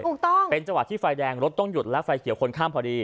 ถูกต้องเป็นจังหวะที่ไฟแดงรถต้องหยุดและไฟเขียวคนข้ามพอดี